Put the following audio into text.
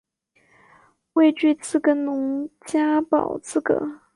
未具自耕农加保资格